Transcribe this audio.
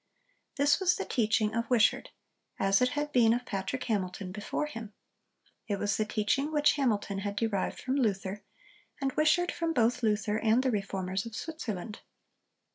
This was the teaching of Wishart, as it had been of Patrick Hamilton before him. It was the teaching which Hamilton had derived from Luther, and Wishart from both Luther and the Reformers of Switzerland.